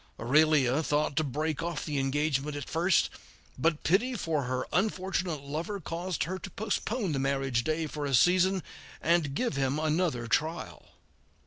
Aurelia thought to break off the engagement at first, but pity for her unfortunate lover caused her to postpone the marriage day for a season, and give him another trial.